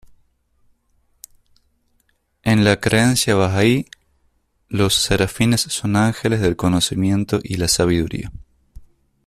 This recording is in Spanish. En la creencia Bahá'í, los serafines, son ángeles del conocimiento y la sabiduría.